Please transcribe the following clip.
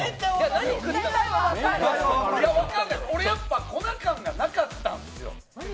俺、やっぱ粉感がなかったんッスよ。